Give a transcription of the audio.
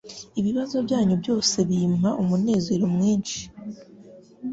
Ibibazo byanyu byose bimpa umunezero mwinshi